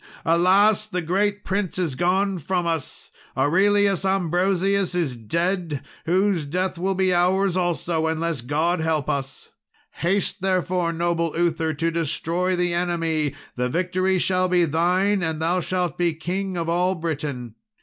Alas! the great prince is gone from us. Aurelius Ambrosius is dead, whose death will be ours also, unless God help us. Haste, therefore, noble Uther, to destroy the enemy; the victory shall be thine, and thou shalt be king of all Britain.